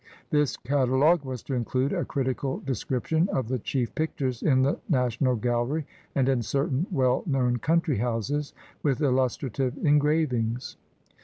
This catalogue was to include a critical description of the chief pictures in the National Gallery and in certain well known country houses, with illustrative engravings.